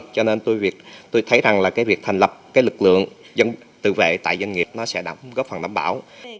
cho nên tôi thấy rằng việc thành lập lực lượng tự vệ tại doanh nghiệp sẽ góp phần đảm bảo